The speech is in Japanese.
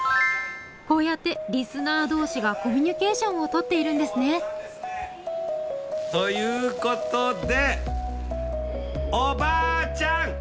こうやってリスナー同士がコミュニケーションを取っているんですね「ということでおばあちゃん！